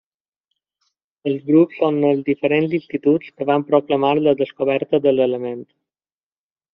Els grups són els diferents instituts que van proclamar la descoberta de l'element.